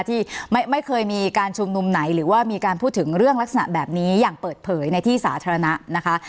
ที่ไม่เคยมีการชุมนุมไหนหรือว่ามีการพูดถึงเรื่องลักษณะแบบนี้อย่างเปิดเผยในที่สาธารณะนะคะ